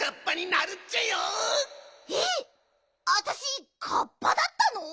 あたしカッパだったの！？